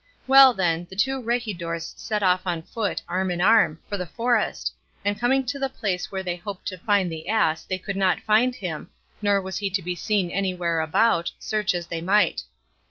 Well then, the two regidors set off on foot, arm in arm, for the forest, and coming to the place where they hoped to find the ass they could not find him, nor was he to be seen anywhere about, search as they might.